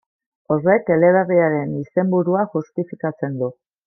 Horrek eleberriaren izenburua justifikatzen du.